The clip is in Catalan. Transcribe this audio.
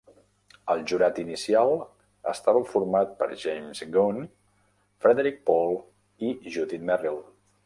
El jurat inicial estava format per James Gunn, Frederik Pohl i Judith Merril.